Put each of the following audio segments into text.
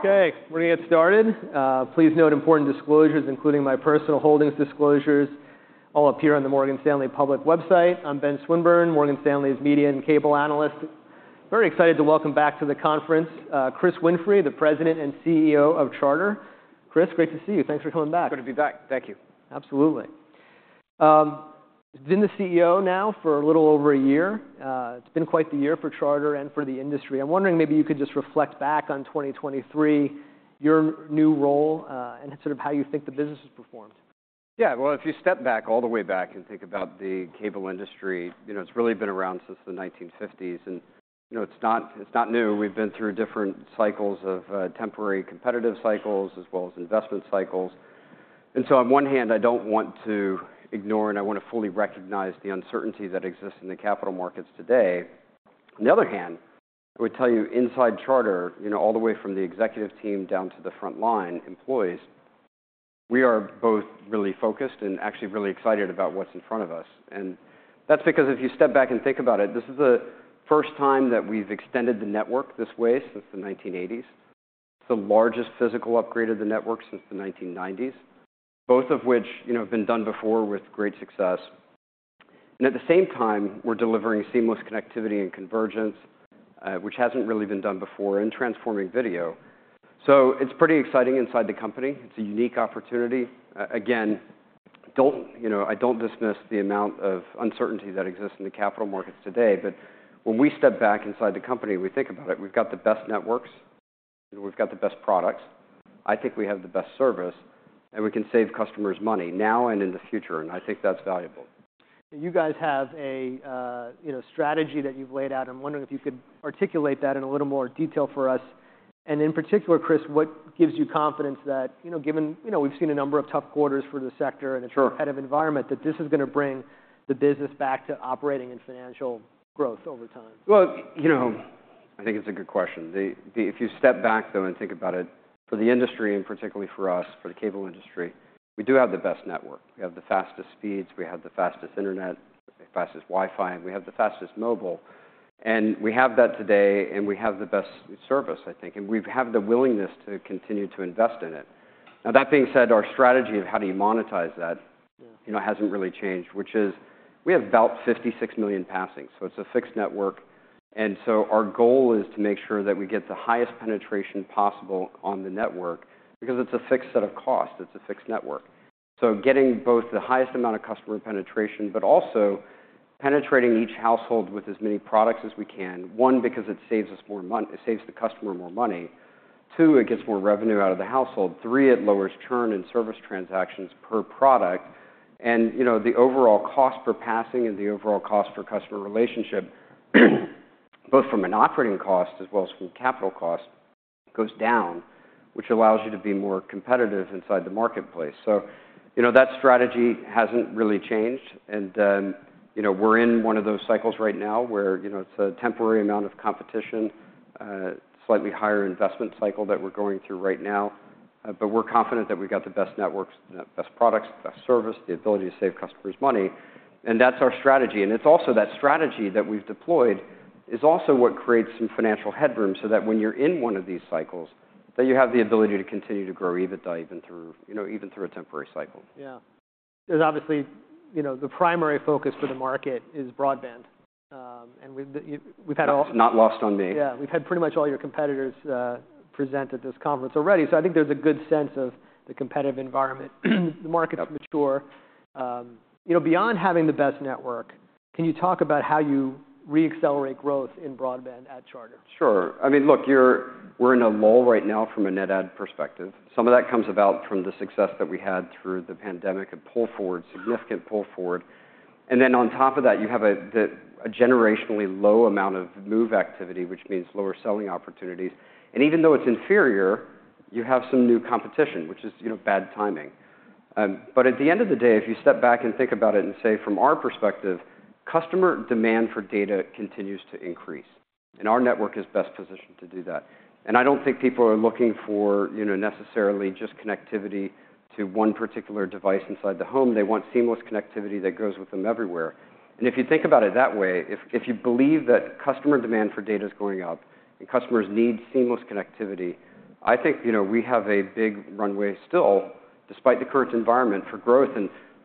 Okay, we're going to get started. Please note important disclosures, including my personal holdings disclosures, all appear on the Morgan Stanley public website. I'm Ben Swinburne, Morgan Stanley's media and cable analyst. Very excited to welcome back to the conference Chris Winfrey, the President and CEO of Charter. Chris, great to see you. Thanks for coming back. Good to be back. Thank you. Absolutely. Been the CEO now for a little over a year. It's been quite the year for Charter and for the industry. I'm wondering maybe you could just reflect back on 2023, your new role, and sort of how you think the business has performed. Yeah, well, if you step back, all the way back, and think about the cable industry, you know, it's really been around since the 1950s. And, you know, it's not new. We've been through different cycles of temporary competitive cycles, as well as investment cycles. And so on one hand, I don't want to ignore, and I want to fully recognize the uncertainty that exists in the capital markets today. On the other hand, I would tell you, inside Charter, you know, all the way from the executive team down to the front line employees, we are both really focused and actually really excited about what's in front of us. And that's because if you step back and think about it, this is the first time that we've extended the network this way since the 1980s. It's the largest physical upgrade of the network since the 1990s, both of which, you know, have been done before with great success. And at the same time, we're delivering seamless connectivity and convergence, which hasn't really been done before, and transforming video. So it's pretty exciting inside the company. It's a unique opportunity. Again, don't you know, I don't dismiss the amount of uncertainty that exists in the capital markets today. But when we step back inside the company, we think about it. We've got the best networks. We've got the best products. I think we have the best service. And we can save customers money now and in the future. And I think that's valuable. You guys have a, you know, strategy that you've laid out. I'm wondering if you could articulate that in a little more detail for us. And in particular, Chris, what gives you confidence that, you know, given you know, we've seen a number of tough quarters for the sector and its competitive environment, that this is going to bring the business back to operating and financial growth over time? Well, you know, I think it's a good question. If you step back, though, and think about it, for the industry and particularly for us, for the cable industry, we do have the best network. We have the fastest speeds. We have the fastest internet, the fastest Wi-Fi. We have the fastest mobile. And we have that today. And we have the best service, I think. And we have the willingness to continue to invest in it. Now, that being said, our strategy of how do you monetize that, you know, hasn't really changed, which is we have about 56 million passings. So it's a fixed network. And so our goal is to make sure that we get the highest penetration possible on the network because it's a fixed set of costs. It's a fixed network. So getting both the highest amount of customer penetration, but also penetrating each household with as many products as we can, one, because it saves us more it saves the customer more money. Two, it gets more revenue out of the household. Three, it lowers churn and service transactions per product. And, you know, the overall cost per passing and the overall cost per customer relationship, both from an operating cost as well as from capital cost, goes down, which allows you to be more competitive inside the marketplace. So, you know, that strategy hasn't really changed. And, you know, we're in one of those cycles right now where, you know, it's a temporary amount of competition, slightly higher investment cycle that we're going through right now. But we're confident that we've got the best networks, the best products, the best service, the ability to save customers money. That's our strategy. And it's also that strategy that we've deployed is also what creates some financial headroom so that when you're in one of these cycles, that you have the ability to continue to grow EBITDA even through, you know, even through a temporary cycle. Yeah. There's obviously, you know, the primary focus for the market is broadband. And we've had all. That's not lost on me. Yeah, we've had pretty much all your competitors present at this conference already. So I think there's a good sense of the competitive environment. The market's mature. You know, beyond having the best network, can you talk about how you re-accelerate growth in broadband at Charter? Sure. I mean, look, we're in a lull right now from a net add perspective. Some of that comes about from the success that we had through the pandemic, a pull forward, significant pull forward. And then on top of that, you have a generationally low amount of move activity, which means lower selling opportunities. And even though it's inferior, you have some new competition, which is, you know, bad timing. But at the end of the day, if you step back and think about it and say, from our perspective, customer demand for data continues to increase. And our network is best positioned to do that. And I don't think people are looking for, you know, necessarily just connectivity to one particular device inside the home. They want seamless connectivity that goes with them everywhere. If you think about it that way, if you believe that customer demand for data is going up and customers need seamless connectivity, I think, you know, we have a big runway still, despite the current environment, for growth.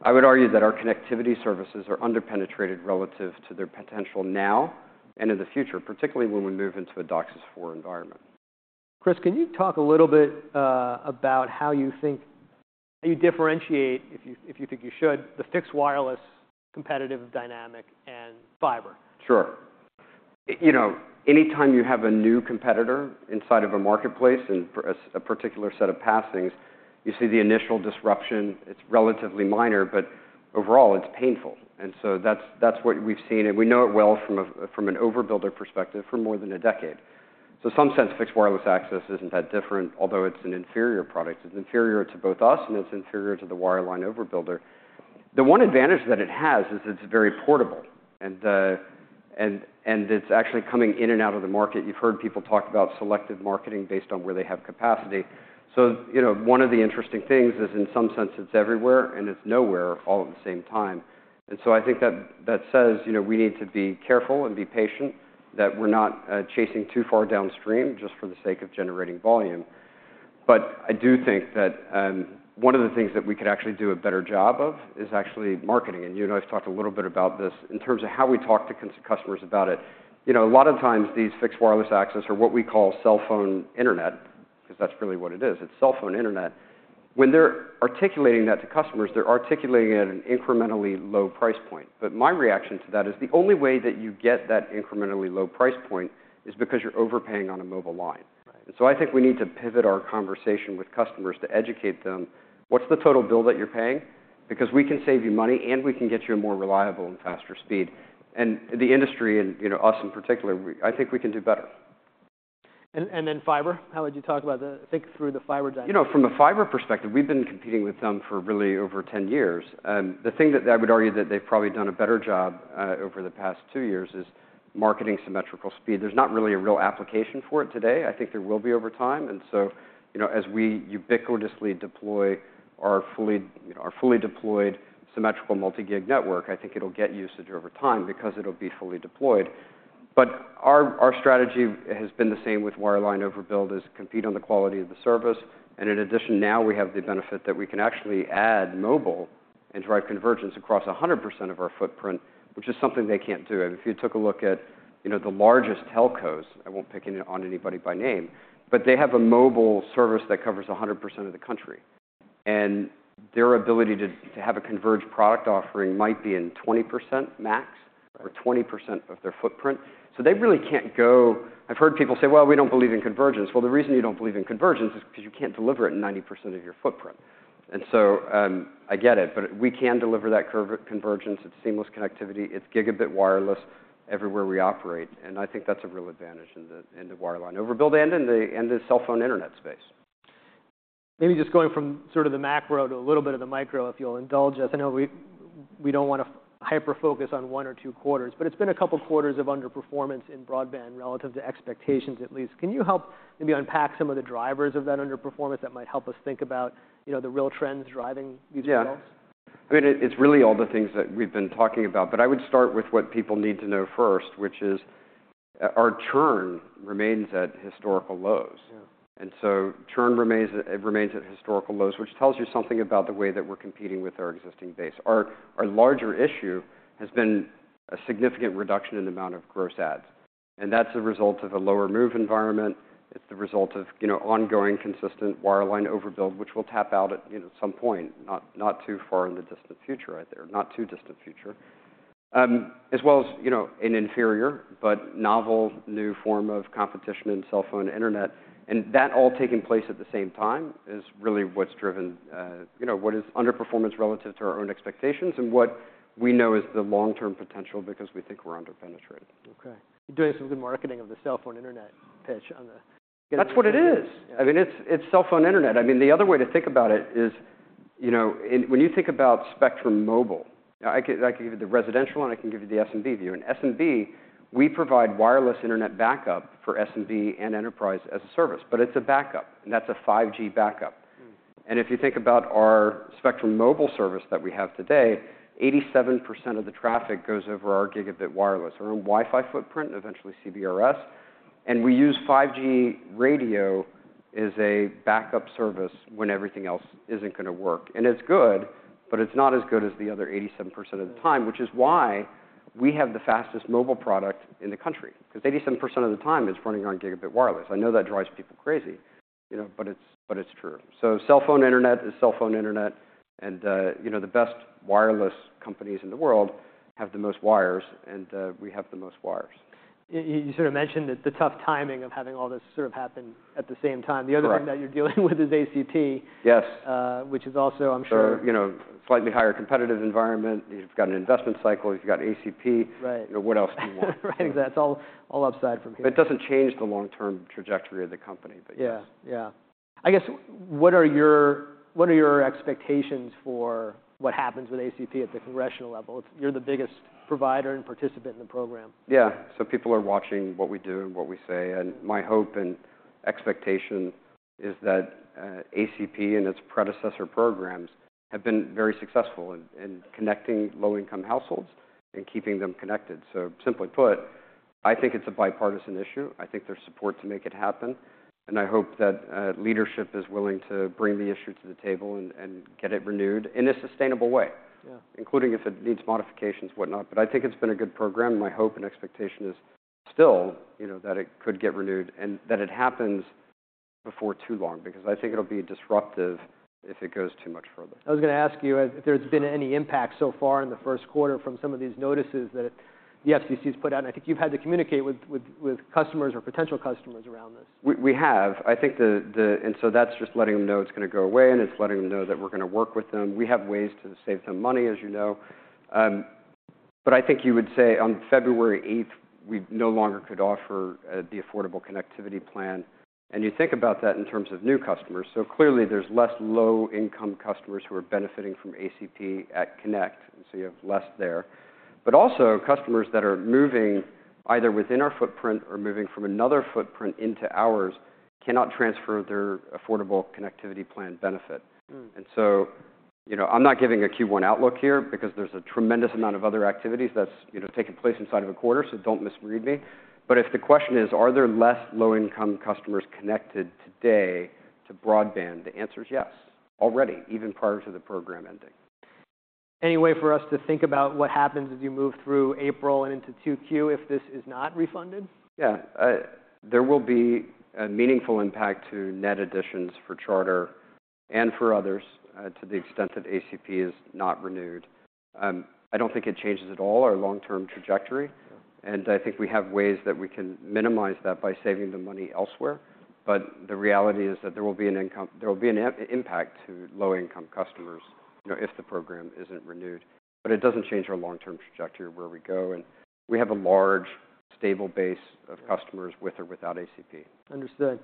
I would argue that our connectivity services are underpenetrated relative to their potential now and in the future, particularly when we move into a DOCSIS 4 environment. Chris, can you talk a little bit about how you think how you differentiate, if you think you should, the fixed wireless competitive dynamic and fiber? Sure. You know, anytime you have a new competitor inside of a marketplace and a particular set of passings, you see the initial disruption. It's relatively minor. But overall, it's painful. And so that's what we've seen. And we know it well from an overbuilder perspective for more than a decade. So in some sense, fixed wireless access isn't that different, although it's an inferior product. It's inferior to both us. And it's inferior to the wireline overbuilder. The one advantage that it has is it's very portable. And it's actually coming in and out of the market. You've heard people talk about selective marketing based on where they have capacity. So, you know, one of the interesting things is, in some sense, it's everywhere. And it's nowhere all at the same time. And so I think that says, you know, we need to be careful and be patient, that we're not chasing too far downstream just for the sake of generating volume. But I do think that one of the things that we could actually do a better job of is actually marketing. And, you know, I've talked a little bit about this in terms of how we talk to customers about it. You know, a lot of times, these fixed wireless access are what we call cell phone internet, because that's really what it is. It's cell phone internet. When they're articulating that to customers, they're articulating it at an incrementally low price point. But my reaction to that is the only way that you get that incrementally low price point is because you're overpaying on a mobile line. And so, I think we need to pivot our conversation with customers to educate them, what's the total bill that you're paying? Because we can save you money. And we can get you a more reliable and faster speed. And the industry and, you know, us in particular, I think we can do better. And then fiber? How would you talk about the I think through the fiber dynamic? You know, from a fiber perspective, we've been competing with them for really over 10 years. The thing that I would argue that they've probably done a better job over the past two years is marketing symmetrical speed. There's not really a real application for it today. I think there will be over time. And so, you know, as we ubiquitously deploy our fully deployed symmetrical multi-gig network, I think it'll get usage over time because it'll be fully deployed. But our strategy has been the same with wireline overbuild is compete on the quality of the service. And in addition, now we have the benefit that we can actually add mobile and drive convergence across 100% of our footprint, which is something they can't do. I mean, if you took a look at, you know, the largest telcos. I won't pick on anybody by name, but they have a mobile service that covers 100% of the country. And their ability to have a converged product offering might be in 20% max or 20% of their footprint. So they really can't go. I've heard people say, well, we don't believe in convergence. Well, the reason you don't believe in convergence is because you can't deliver it in 90% of your footprint. And so I get it. But we can deliver that convergence. It's seamless connectivity. It's gigabit wireless everywhere we operate. And I think that's a real advantage in the wireline overbuild and in the cell phone internet space. Maybe just going from sort of the macro to a little bit of the micro, if you'll indulge us. I know we don't want to hyper-focus on one or two quarters. But it's been a couple quarters of underperformance in broadband relative to expectations, at least. Can you help maybe unpack some of the drivers of that underperformance that might help us think about, you know, the real trends driving these results? Yeah. I mean, it's really all the things that we've been talking about. But I would start with what people need to know first, which is our churn remains at historical lows. And so churn remains at historical lows, which tells you something about the way that we're competing with our existing base. Our larger issue has been a significant reduction in the amount of gross adds. And that's the result of a lower move environment. It's the result of, you know, ongoing consistent wireline overbuild, which will tap out at, you know, some point, not too far in the distant future right there, not too distant future, as well as, you know, an inferior but novel new form of competition in cell phone internet. That all taking place at the same time is really what's driven, you know, what is underperformance relative to our own expectations and what we know is the long-term potential because we think we're underpenetrated. OK. You're doing some good marketing of the cell phone internet pitch on the. That's what it is. I mean, it's cell phone internet. I mean, the other way to think about it is, you know, when you think about Spectrum Mobile now, I can give you the residential one. I can give you the SMB view. In SMB, we provide wireless internet backup for SMB and Enterprise as a service. But it's a backup. And that's a 5G backup. And if you think about our Spectrum Mobile service that we have today, 87% of the traffic goes over our gigabit wireless, our own Wi-Fi footprint, eventually CBRS. And we use 5G radio as a backup service when everything else isn't going to work. And it's good. But it's not as good as the other 87% of the time, which is why we have the fastest mobile product in the country, because 87% of the time, it's running on gigabit wireless. I know that drives people crazy, you know, but it's true. So cell phone internet is cell phone internet. And, you know, the best wireless companies in the world have the most wires. And we have the most wires. You sort of mentioned the tough timing of having all this sort of happen at the same time. The other thing that you're dealing with is ACP, which is also, I'm sure. So, you know, slightly higher competitive environment. You've got an investment cycle. You've got ACP. You know, what else do you want? Right. Exactly. It's all upside from here. But it doesn't change the long-term trajectory of the company. But yes. Yeah. Yeah. I guess what are your expectations for what happens with ACP at the congressional level? You're the biggest provider and participant in the program. Yeah. So people are watching what we do and what we say. And my hope and expectation is that ACP and its predecessor programs have been very successful in connecting low-income households and keeping them connected. So simply put, I think it's a bipartisan issue. I think there's support to make it happen. And I hope that leadership is willing to bring the issue to the table and get it renewed in a sustainable way, including if it needs modifications, whatnot. But I think it's been a good program. My hope and expectation is still, you know, that it could get renewed and that it happens before too long because I think it'll be disruptive if it goes too much further. I was going to ask you if there's been any impact so far in the first quarter from some of these notices that the FCC has put out. I think you've had to communicate with customers or potential customers around this. I think, and so that's just letting them know it's going to go away. And it's letting them know that we're going to work with them. We have ways to save them money, as you know. But I think you would say, on February 8, we no longer could offer the Affordable Connectivity Program. And you think about that in terms of new customers. So clearly, there's less low-income customers who are benefiting from ACP at connect. And so you have less there. But also, customers that are moving either within our footprint or moving from another footprint into ours cannot transfer their Affordable Connectivity Program benefit. And so, you know, I'm not giving a Q1 outlook here because there's a tremendous amount of other activities that's, you know, taking place inside of a quarter. So don't misread me. If the question is, are there less low-income customers connected today to broadband, the answer is yes, already, even prior to the program ending. Any way for us to think about what happens as you move through April and into 2Q if this is not refunded? Yeah. There will be a meaningful impact to net additions for Charter and for others to the extent that ACP is not renewed. I don't think it changes at all our long-term trajectory. And I think we have ways that we can minimize that by saving the money elsewhere. But the reality is that there will be an impact to low-income customers, you know, if the program isn't renewed. But it doesn't change our long-term trajectory of where we go. And we have a large, stable base of customers with or without ACP. Understood.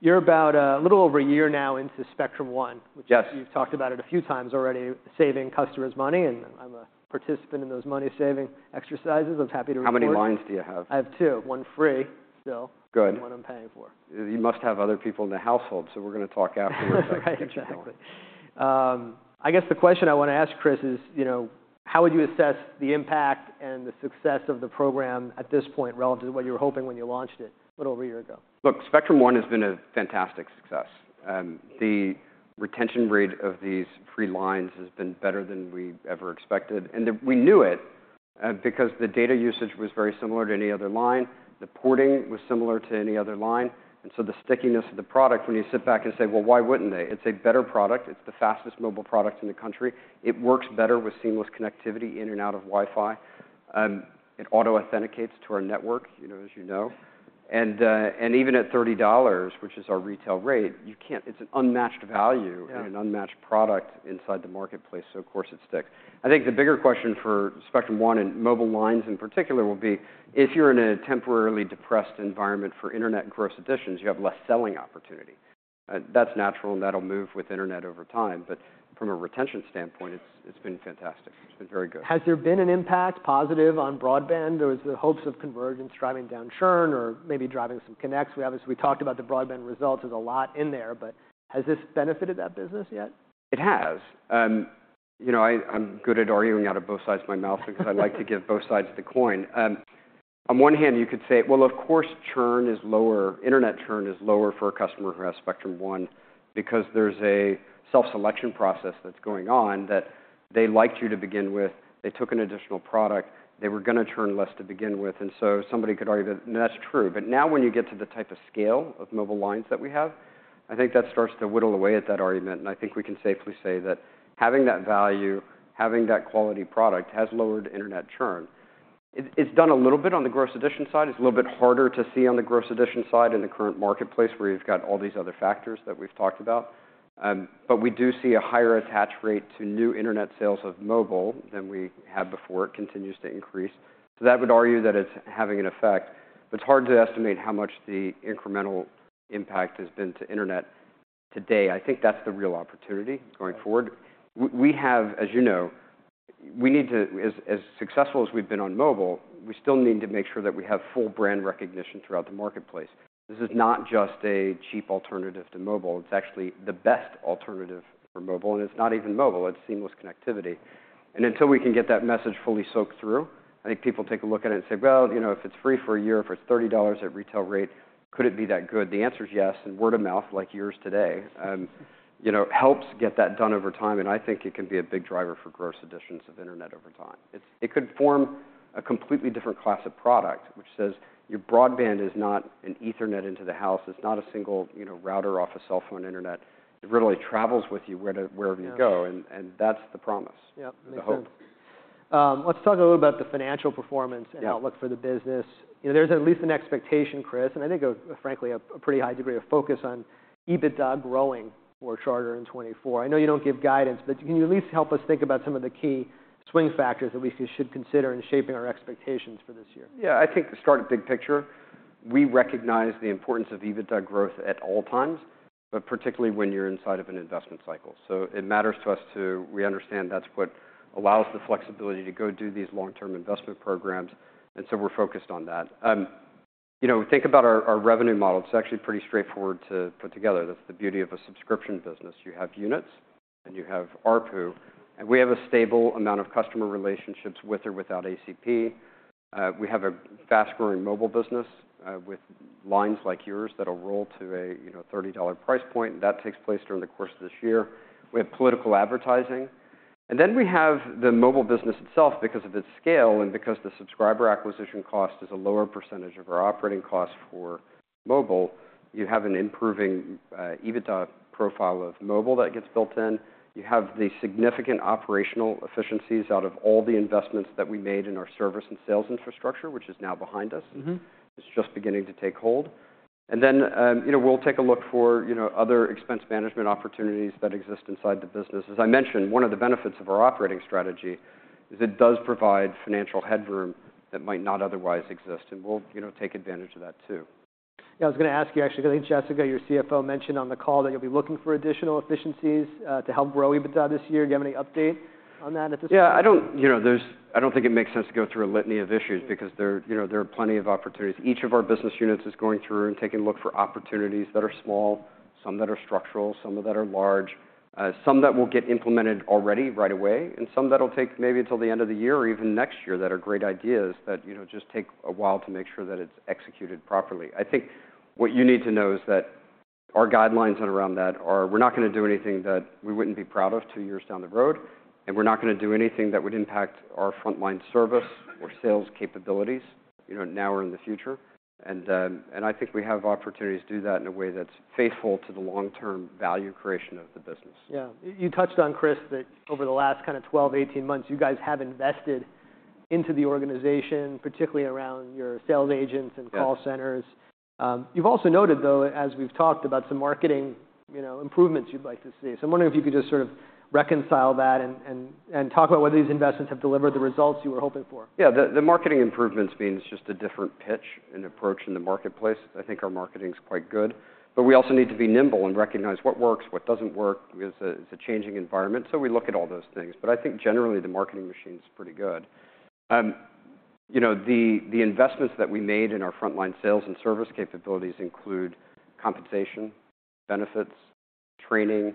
You're about a little over a year now into Spectrum One, which you've talked about it a few times already, saving customers money. I'm a participant in those money-saving exercises. I'm happy to report. How many lines do you have? I have two, one free still, one I'm paying for. Good. You must have other people in the household. We're going to talk afterwards. Right. Exactly. I guess the question I want to ask, Chris, is, you know, how would you assess the impact and the success of the program at this point relative to what you were hoping when you launched it a little over a year ago? Look, Spectrum One has been a fantastic success. The retention rate of these free lines has been better than we ever expected. And we knew it because the data usage was very similar to any other line. The porting was similar to any other line. And so the stickiness of the product, when you sit back and say, well, why wouldn't they? It's a better product. It's the fastest mobile product in the country. It works better with seamless connectivity in and out of Wi-Fi. It auto-authenticates to our network, you know, as you know. And even at $30, which is our retail rate, you can't, it's an unmatched value and an unmatched product inside the marketplace. So, of course, it sticks. I think the bigger question for Spectrum One and mobile lines in particular will be, if you're in a temporarily depressed environment for internet gross additions, you have less selling opportunity. That's natural. That'll move with internet over time. From a retention standpoint, it's been fantastic. It's been very good. Has there been an impact positive on broadband? There was the hopes of convergence driving down churn or maybe driving some connects. Obviously, we talked about the broadband results. There's a lot in there. Has this benefited that business yet? It has. You know, I'm good at arguing out of both sides of my mouth because I like to give both sides the coin. On one hand, you could say, well, of course, churn is lower. Internet churn is lower for a customer who has Spectrum One because there's a self-selection process that's going on that they liked you to begin with. They took an additional product. They were going to churn less to begin with. And so somebody could argue that, no, that's true. But now, when you get to the type of scale of mobile lines that we have, I think that starts to whittle away at that argument. And I think we can safely say that having that value, having that quality product has lowered internet churn. It's done a little bit on the gross addition side. It's a little bit harder to see on the gross addition side in the current marketplace, where you've got all these other factors that we've talked about. But we do see a higher attach rate to new internet sales of mobile than we had before. It continues to increase. So that would argue that it's having an effect. But it's hard to estimate how much the incremental impact has been to internet today. I think that's the real opportunity going forward. We have, as you know, we need to as successful as we've been on mobile, we still need to make sure that we have full brand recognition throughout the marketplace. This is not just a cheap alternative to mobile. It's actually the best alternative for mobile. And it's not even mobile. It's seamless connectivity. Until we can get that message fully soaked through, I think people take a look at it and say, well, you know, if it's free for a year, if it's $30 at retail rate, could it be that good? The answer is yes. And word of mouth, like yours today, you know, helps get that done over time. And I think it can be a big driver for gross additions of internet over time. It could form a completely different class of product, which says, your broadband is not an Ethernet into the house. It's not a single, you know, router off a cell phone internet. It really travels with you wherever you go. And that's the promise, the hope. Yep. Makes sense. Let's talk a little about the financial performance and outlook for the business. You know, there's at least an expectation, Chris, and I think, frankly, a pretty high degree of focus on EBITDA growing for Charter in 2024. I know you don't give guidance. But can you at least help us think about some of the key swing factors that we should consider in shaping our expectations for this year? Yeah. I think start at big picture. We recognize the importance of EBITDA growth at all times, but particularly when you're inside of an investment cycle. So it matters to us, too. We understand that's what allows the flexibility to go do these long-term investment programs. And so we're focused on that. You know, think about our revenue model. It's actually pretty straightforward to put together. That's the beauty of a subscription business. You have units. And you have ARPU. And we have a stable amount of customer relationships with or without ACP. We have a fast-growing mobile business with lines like yours that'll roll to a $30 price point. And that takes place during the course of this year. We have political advertising. And then we have the mobile business itself because of its scale and because the subscriber acquisition cost is a lower percentage of our operating costs for mobile. You have an improving EBITDA profile of mobile that gets built in. You have the significant operational efficiencies out of all the investments that we made in our service and sales infrastructure, which is now behind us. It's just beginning to take hold. And then, you know, we'll take a look for, you know, other expense management opportunities that exist inside the business. As I mentioned, one of the benefits of our operating strategy is it does provide financial headroom that might not otherwise exist. And we'll, you know, take advantage of that too. Yeah. I was going to ask you, actually, because I think Jessica, your CFO, mentioned on the call that you'll be looking for additional efficiencies to help grow EBITDA this year. Do you have any update on that at this point? Yeah. You know, I don't think it makes sense to go through a litany of issues because there, you know, there are plenty of opportunities. Each of our business units is going through and taking a look for opportunities that are small, some that are structural, some that are large, some that will get implemented already right away, and some that'll take maybe until the end of the year or even next year that are great ideas that, you know, just take a while to make sure that it's executed properly. I think what you need to know is that our guidelines around that are we're not going to do anything that we wouldn't be proud of two years down the road. We're not going to do anything that would impact our frontline service or sales capabilities, you know, now or in the future. I think we have opportunities to do that in a way that's faithful to the long-term value creation of the business. Yeah. You touched on, Chris, that over the last kind of 12, 18 months, you guys have invested into the organization, particularly around your sales agents and call centers. You've also noted, though, as we've talked about some marketing, you know, improvements you'd like to see. So I'm wondering if you could just sort of reconcile that and talk about whether these investments have delivered the results you were hoping for. Yeah. The marketing improvements mean it's just a different pitch and approach in the marketplace. I think our marketing is quite good. But we also need to be nimble and recognize what works, what doesn't work. It's a changing environment. So we look at all those things. But I think, generally, the marketing machine is pretty good. You know, the investments that we made in our frontline sales and service capabilities include compensation, benefits, training.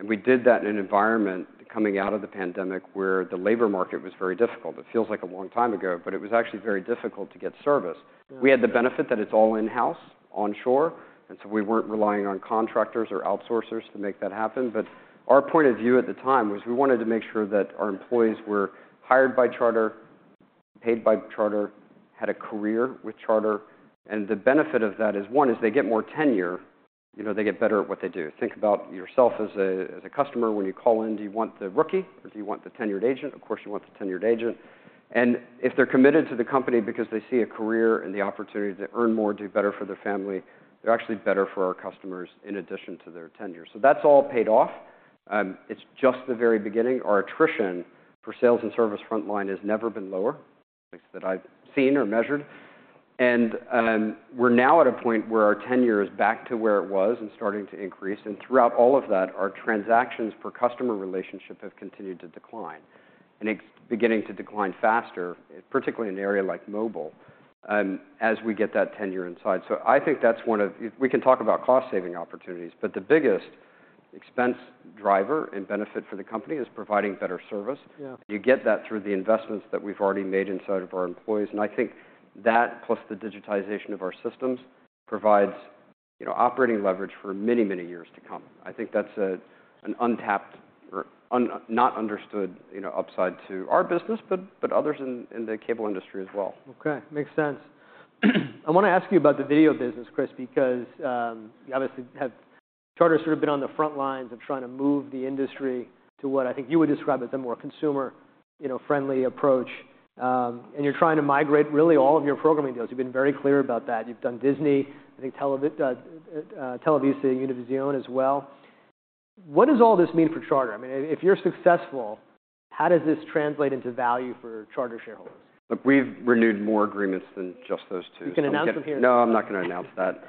And we did that in an environment coming out of the pandemic where the labor market was very difficult. It feels like a long time ago. But it was actually very difficult to get service. We had the benefit that it's all in-house, onshore. And so we weren't relying on contractors or outsourcers to make that happen. But our point of view at the time was we wanted to make sure that our employees were hired by Charter, paid by Charter, had a career with Charter. And the benefit of that is, one, is they get more tenure. You know, they get better at what they do. Think about yourself as a customer. When you call in, do you want the rookie? Or do you want the tenured agent? Of course, you want the tenured agent. And if they're committed to the company because they see a career and the opportunity to earn more, do better for their family, they're actually better for our customers in addition to their tenure. So that's all paid off. It's just the very beginning. Our attrition for sales and service frontline has never been lower, at least that I've seen or measured. We're now at a point where our tenure is back to where it was and starting to increase. Throughout all of that, our transactions per customer relationship have continued to decline. It's beginning to decline faster, particularly in an area like mobile, as we get that tenure inside. I think that's one of we can talk about cost-saving opportunities. The biggest expense driver and benefit for the company is providing better service. You get that through the investments that we've already made inside of our employees. I think that, plus the digitization of our systems, provides, you know, operating leverage for many, many years to come. I think that's an untapped or not understood, you know, upside to our business but others in the cable industry as well. OK. Makes sense. I want to ask you about the video business, Chris, because you obviously have Charter sort of been on the front lines of trying to move the industry to what I think you would describe as a more consumer, you know, friendly approach. You're trying to migrate really all of your programming deals. You've been very clear about that. You've done Disney, I think Televisa and Univision as well. What does all this mean for Charter? I mean, if you're successful, how does this translate into value for Charter shareholders? Look, we've renewed more agreements than just those two. You can announce them here. No, I'm not going to announce that.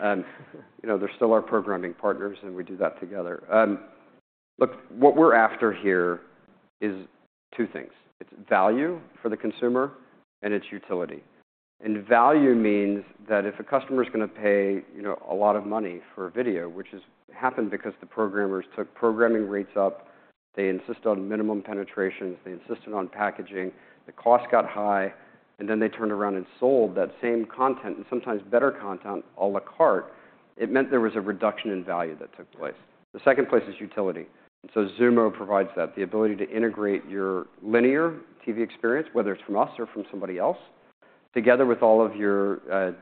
You know, they're still our programming partners. And we do that together. Look, what we're after here is two things. It's value for the consumer. And it's utility. And value means that if a customer is going to pay, you know, a lot of money for video, which has happened because the programmers took programming rates up, they insisted on minimum penetrations, they insisted on packaging, the cost got high, and then they turned around and sold that same content and sometimes better content à la carte, it meant there was a reduction in value that took place. The second place is utility. And so Xumo provides that, the ability to integrate your linear TV experience, whether it's from us or from somebody else, together with all of your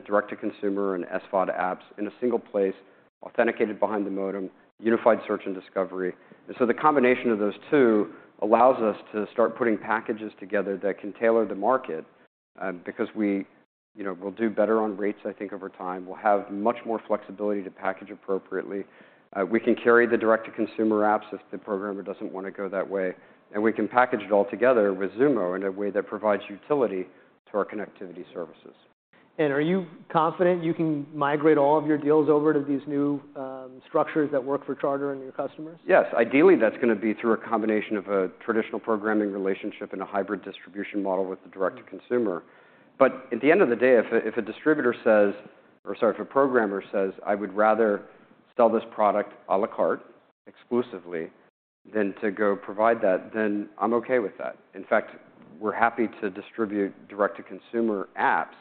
direct-to-consumer and SVOD apps in a single place, authenticated behind the modem, unified search and discovery. And so the combination of those two allows us to start putting packages together that can tailor the market because we, you know, will do better on rates, I think, over time. We'll have much more flexibility to package appropriately. We can carry the direct-to-consumer apps if the programmer doesn't want to go that way. And we can package it all together with Xumo in a way that provides utility to our connectivity services. Are you confident you can migrate all of your deals over to these new structures that work for Charter and your customers? Yes. Ideally, that's going to be through a combination of a traditional programming relationship and a hybrid distribution model with the direct-to-consumer. But at the end of the day, if a programmer says, I would rather sell this product à la carte exclusively than to go provide that, then I'm OK with that. In fact, we're happy to distribute direct-to-consumer apps.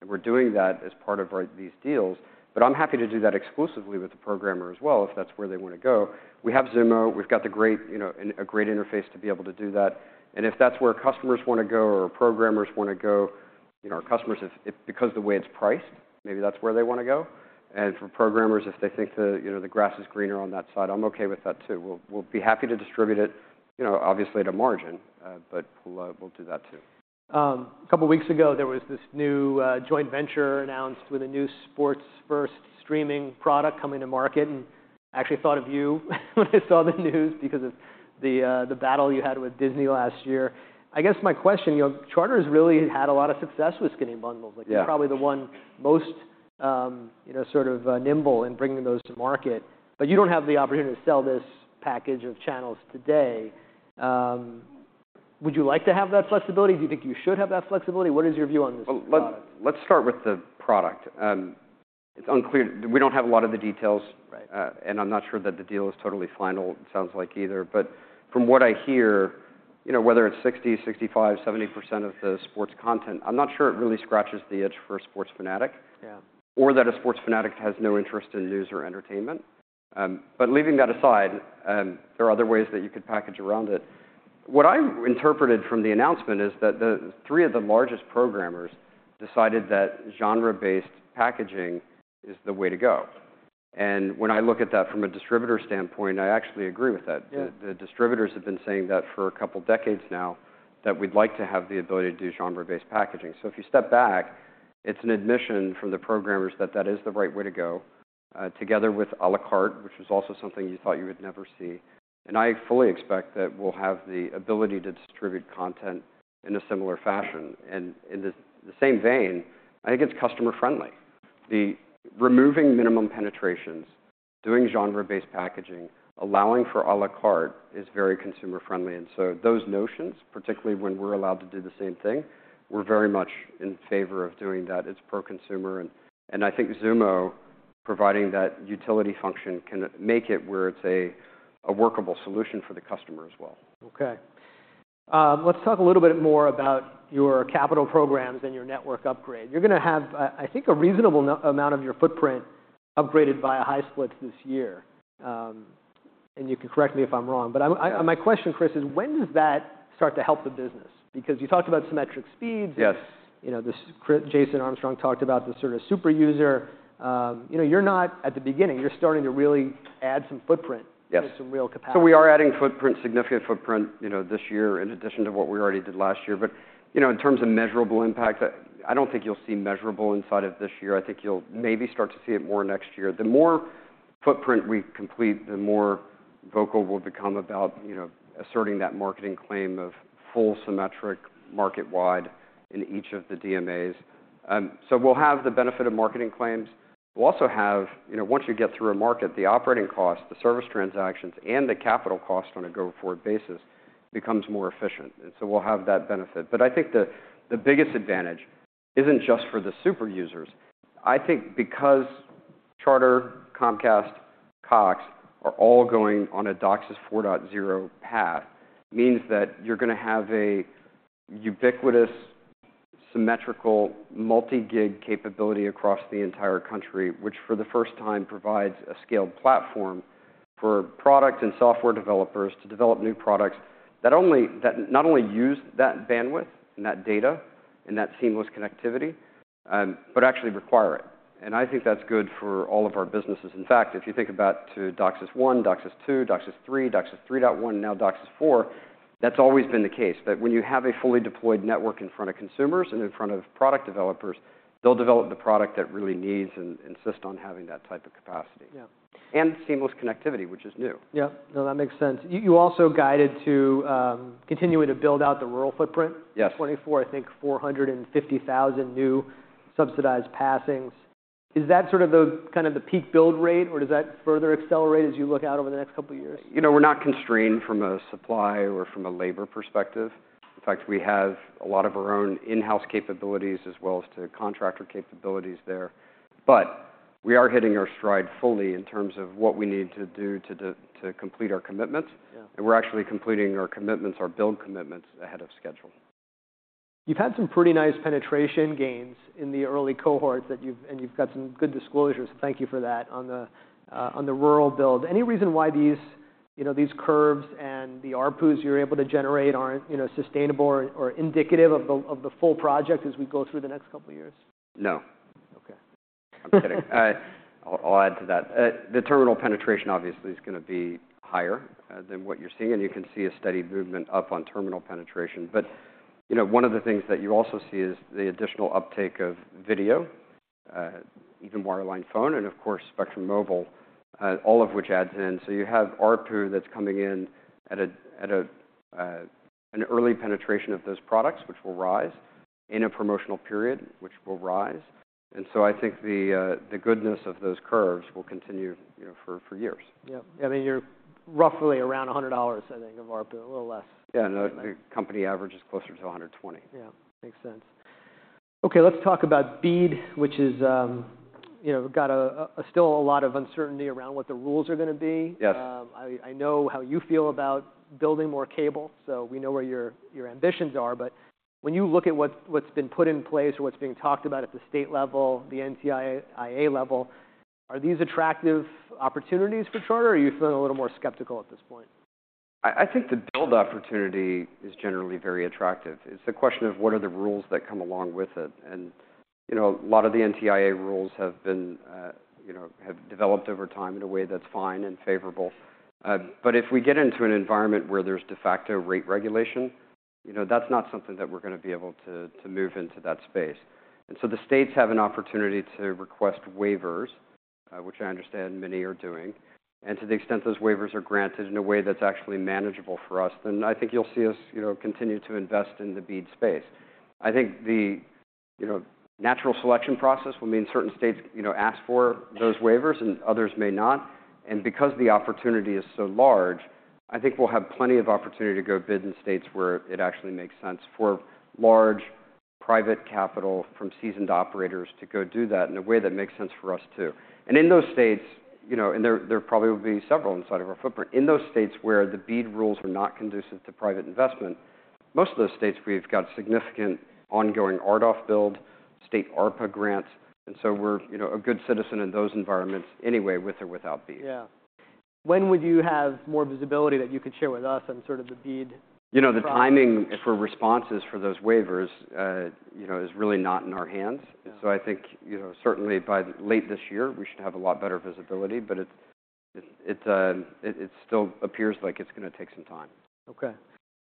And we're doing that as part of these deals. But I'm happy to do that exclusively with the programmer as well if that's where they want to go. We have Xumo. We've got the great, you know, a great interface to be able to do that. And if that's where customers want to go or programmers want to go, you know, our customers, because of the way it's priced, maybe that's where they want to go. For programmers, if they think the, you know, the grass is greener on that side, I'm OK with that too. We'll be happy to distribute it, you know, obviously at a margin. We'll do that too. A couple of weeks ago, there was this new joint venture announced with a new sports-first streaming product coming to market. I actually thought of you when I saw the news because of the battle you had with Disney last year. I guess my question, you know, Charter has really had a lot of success with skinny bundles. Like, they're probably the one most, you know, sort of nimble in bringing those to market. You don't have the opportunity to sell this package of channels today. Would you like to have that flexibility? Do you think you should have that flexibility? What is your view on this product? Well, let's start with the product. It's unclear. We don't have a lot of the details. I'm not sure that the deal is totally final, it sounds like, either. From what I hear, you know, whether it's 60%, 65%, 70% of the sports content, I'm not sure it really scratches the itch for a sports fanatic or that a sports fanatic has no interest in news or entertainment. Leaving that aside, there are other ways that you could package around it. What I interpreted from the announcement is that three of the largest programmers decided that genre-based packaging is the way to go. When I look at that from a distributor standpoint, I actually agree with that. The distributors have been saying that for a couple of decades now, that we'd like to have the ability to do genre-based packaging. So if you step back, it's an admission from the programmers that that is the right way to go, together with à la carte, which is also something you thought you would never see. And I fully expect that we'll have the ability to distribute content in a similar fashion. And in the same vein, I think it's customer-friendly. The removing minimum penetrations, doing genre-based packaging, allowing for à la carte is very consumer-friendly. And so those notions, particularly when we're allowed to do the same thing, we're very much in favor of doing that. It's pro-consumer. And I think Xumo, providing that utility function, can make it where it's a workable solution for the customer as well. OK. Let's talk a little bit more about your capital programs and your network upgrade. You're going to have, I think, a reasonable amount of your footprint upgraded via high splits this year. And you can correct me if I'm wrong. But my question, Chris, is when does that start to help the business? Because you talked about symmetric speeds. Yes. You know, Jason Armstrong talked about the sort of super user. You know, you're not at the beginning. You're starting to really add some footprint and some real capacity. Yes. So we are adding footprint, significant footprint, you know, this year in addition to what we already did last year. But, you know, in terms of measurable impact, I don't think you'll see measurable inside of this year. I think you'll maybe start to see it more next year. The more footprint we complete, the more vocal we'll become about, you know, asserting that marketing claim of full symmetric market-wide in each of the DMAs. So we'll have the benefit of marketing claims. We'll also have, you know, once you get through a market, the operating costs, the service transactions, and the capital costs on a go-forward basis become more efficient. And so we'll have that benefit. But I think the biggest advantage isn't just for the super users. I think because Charter, Comcast, Cox are all going on a DOCSIS 4.0 path means that you're going to have a ubiquitous, symmetrical, multi-gig capability across the entire country, which for the first time provides a scaled platform for product and software developers to develop new products that not only use that bandwidth and that data and that seamless connectivity but actually require it. And I think that's good for all of our businesses. In fact, if you think about DOCSIS 1, DOCSIS 2, DOCSIS 3, DOCSIS 3.1, and now DOCSIS 4, that's always been the case. That when you have a fully deployed network in front of consumers and in front of product developers, they'll develop the product that really needs and insist on having that type of capacity and seamless connectivity, which is new. Yeah. No, that makes sense. You also guided to continue to build out the rural footprint. Yes. 2024, I think 450,000 new subsidized passings. Is that sort of the kind of the peak build rate? Or does that further accelerate as you look out over the next couple of years? You know, we're not constrained from a supply or from a labor perspective. In fact, we have a lot of our own in-house capabilities as well as contractor capabilities there. But we are hitting our stride fully in terms of what we need to do to complete our commitments. And we're actually completing our commitments, our build commitments, ahead of schedule. You've had some pretty nice penetration gains in the early cohorts. And you've got some good disclosures. Thank you for that on the rural build. Any reason why these, you know, these curves and the ARPUs you're able to generate aren't, you know, sustainable or indicative of the full project as we go through the next couple of years? No. OK. I'm kidding. I'll add to that. The terminal penetration, obviously, is going to be higher than what you're seeing. And you can see a steady movement up on terminal penetration. But, you know, one of the things that you also see is the additional uptake of video, even wireline phone, and, of course, Spectrum Mobile, all of which adds in. So you have ARPU that's coming in at an early penetration of those products, which will rise, in a promotional period, which will rise. And so I think the goodness of those curves will continue for years. Yeah. Yeah. I mean, you're roughly around $100, I think, of ARPU, a little less. Yeah. No. The company average is closer to $120. Yeah. Makes sense. OK. Let's talk about BEAD, which has, you know, got still a lot of uncertainty around what the rules are going to be. Yes. I know how you feel about building more cable. So we know where your ambitions are. But when you look at what's been put in place or what's being talked about at the state level, the NTIA level, are these attractive opportunities for Charter? Or are you feeling a little more skeptical at this point? I think the build opportunity is generally very attractive. It's a question of what are the rules that come along with it. And, you know, a lot of the NTIA rules have been, you know, have developed over time in a way that's fine and favorable. But if we get into an environment where there's de facto rate regulation, you know, that's not something that we're going to be able to move into that space. And so the states have an opportunity to request waivers, which I understand many are doing. And to the extent those waivers are granted in a way that's actually manageable for us, then I think you'll see us, you know, continue to invest in the BEAD space. I think the, you know, natural selection process will mean certain states, you know, ask for those waivers. And others may not. And because the opportunity is so large, I think we'll have plenty of opportunity to go bid in states where it actually makes sense for large private capital from seasoned operators to go do that in a way that makes sense for us too. And in those states, you know, and there probably will be several inside of our footprint, in those states where the BEAD rules are not conducive to private investment, most of those states, we've got significant ongoing RDOF build, state ARPA grants. And so we're, you know, a good citizen in those environments anyway, with or without BEAD. Yeah. When would you have more visibility that you could share with us on sort of the BEAD? You know, the timing for responses for those waivers, you know, is really not in our hands. And so I think, you know, certainly by late this year, we should have a lot better visibility. But it still appears like it's going to take some time. OK.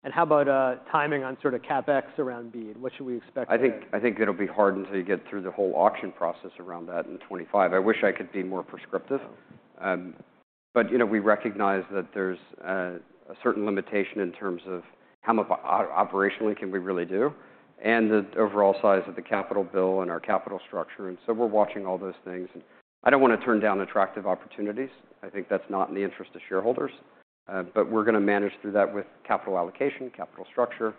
How about timing on sort of CapEx around BEAD? What should we expect? I think it'll be hard until you get through the whole auction process around that in 2025. I wish I could be more prescriptive. But, you know, we recognize that there's a certain limitation in terms of how much operationally can we really do and the overall size of the capital bill and our capital structure. And so we're watching all those things. And I don't want to turn down attractive opportunities. I think that's not in the interest of shareholders. But we're going to manage through that with capital allocation, capital structure,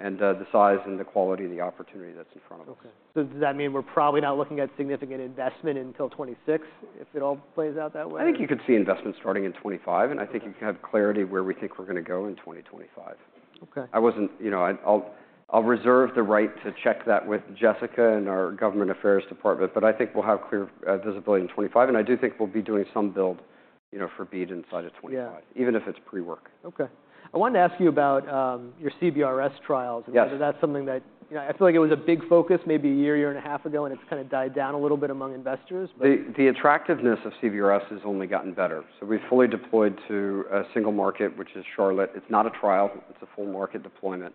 and the size and the quality of the opportunity that's in front of us. OK. So does that mean we're probably not looking at significant investment until 2026, if it all plays out that way? I think you could see investment starting in 2025. I think you can have clarity where we think we're going to go in 2025. I wasn't, you know, I'll reserve the right to check that with Jessica and our Government Affairs Department. I think we'll have clear visibility in 2025. I do think we'll be doing some build, you know, for BEAD inside of 2025, even if it's pre-work. OK. I wanted to ask you about your CBRS trials and whether that's something that, you know, I feel like it was a big focus maybe a year, year and a half ago. And it's kind of died down a little bit among investors. The attractiveness of CBRS has only gotten better. We've fully deployed to a single market, which is Charlotte. It's not a trial. It's a full market deployment.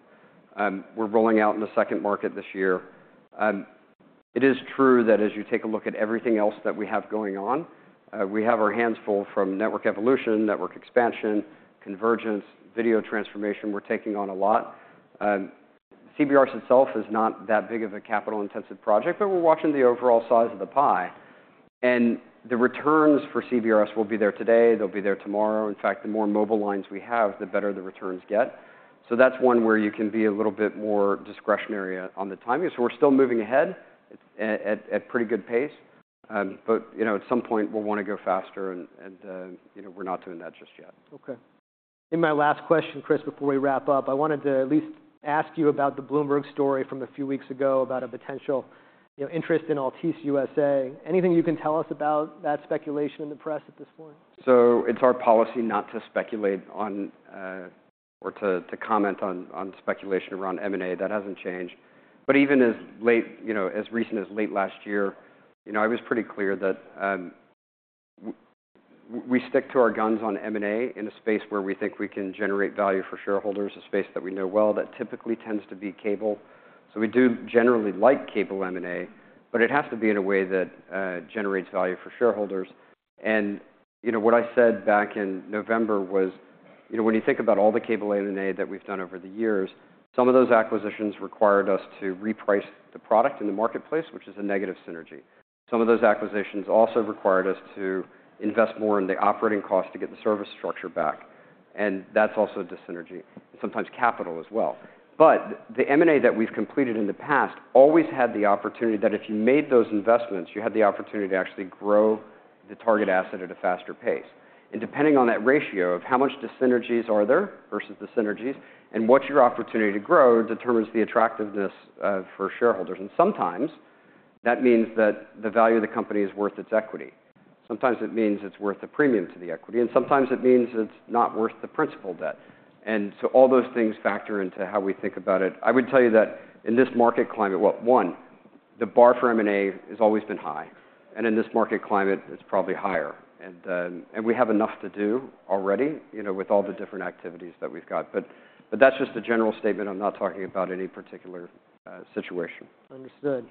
We're rolling out in a second market this year. It is true that as you take a look at everything else that we have going on, we have our hands full from network evolution, network expansion, convergence, video transformation. We're taking on a lot. CBRS itself is not that big of a capital-intensive project. We're watching the overall size of the pie. The returns for CBRS will be there today. They'll be there tomorrow. In fact, the more mobile lines we have, the better the returns get. That's one where you can be a little bit more discretionary on the timing. We're still moving ahead at pretty good pace. But, you know, at some point, we'll want to go faster. And, you know, we're not doing that just yet. OK. In my last question, Chris, before we wrap up, I wanted to at least ask you about the Bloomberg story from a few weeks ago about a potential interest in Altice USA. Anything you can tell us about that speculation in the press at this point? It's our policy not to speculate on or to comment on speculation around M&A. That hasn't changed. But even as late, you know, as recent as late last year, you know, I was pretty clear that we stick to our guns on M&A in a space where we think we can generate value for shareholders, a space that we know well that typically tends to be cable. So we do generally like cable M&A. But it has to be in a way that generates value for shareholders. And, you know, what I said back in November was, you know, when you think about all the cable M&A that we've done over the years, some of those acquisitions required us to reprice the product in the marketplace, which is a negative synergy. Some of those acquisitions also required us to invest more in the operating costs to get the service structure back. And that's also a dis-synergy, sometimes capital as well. But the M&A that we've completed in the past always had the opportunity that if you made those investments, you had the opportunity to actually grow the target asset at a faster pace. And depending on that ratio of how much dis-synergies are there versus the synergies, and what's your opportunity to grow determines the attractiveness for shareholders. And sometimes that means that the value of the company is worth its equity. Sometimes it means it's worth the premium to the equity. And sometimes it means it's not worth the principal debt. And so all those things factor into how we think about it. I would tell you that in this market climate, well, one, the bar for M&A has always been high. And in this market climate, it's probably higher. And we have enough to do already, you know, with all the different activities that we've got. But that's just a general statement. I'm not talking about any particular situation. Understood.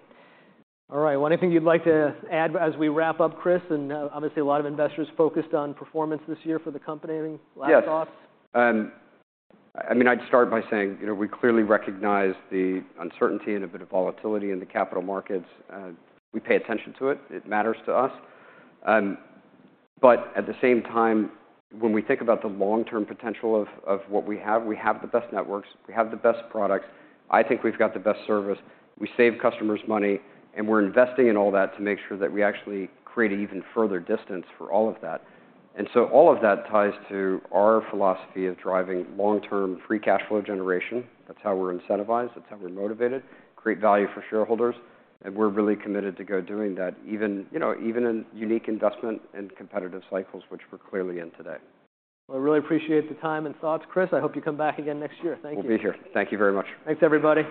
All right. Well, anything you'd like to add as we wrap up, Chris? Obviously, a lot of investors focused on performance this year for the company. Any last thoughts? Yes. I mean, I'd start by saying, you know, we clearly recognize the uncertainty and a bit of volatility in the capital markets. We pay attention to it. It matters to us. But at the same time, when we think about the long-term potential of what we have, we have the best networks. We have the best products. I think we've got the best service. We save customers money. And we're investing in all that to make sure that we actually create an even further distance for all of that. And so all of that ties to our philosophy of driving long-term free cash flow generation. That's how we're incentivized. That's how we're motivated, create value for shareholders. And we're really committed to go doing that, you know, even in unique investment and competitive cycles, which we're clearly in today. Well, I really appreciate the time and thoughts, Chris. I hope you come back again next year. Thank you. We'll be here. Thank you very much. Thanks, everybody.